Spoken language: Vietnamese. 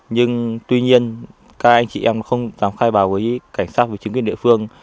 nhưng tuy nhiên các anh chị em không dám khai bảo với cảnh sát với chứng kiến địa phương